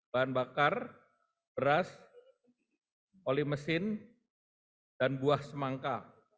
bahan bakar beras olimesin dan buah semangka